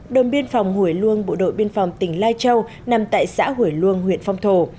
đồn biên phòng hủy luông bộ đội biên phòng tỉnh lai châu nằm tại xã hủy luông huyện phong thổ